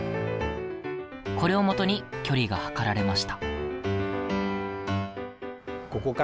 これをもとに距離が測られました。